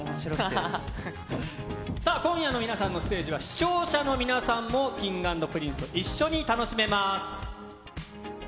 今夜の皆さんのステージは、視聴者の皆さんもＫｉｎｇ＆Ｐｒｉｎｃｅと一緒に楽しめます。